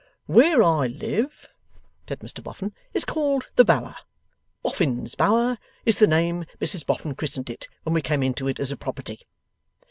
'Where I live,' said Mr Boffin, 'is called The Bower. Boffin's Bower is the name Mrs Boffin christened it when we come into it as a property.